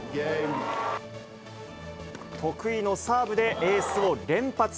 得意のサーブでエースを連発。